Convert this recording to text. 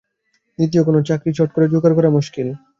দ্বিতীয় কোনো চাকরি চট করে জোগাড় করা মুশকিল।